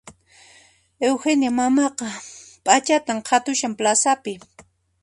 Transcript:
Eugenia mamaqa p'achatan qhatushan plazapi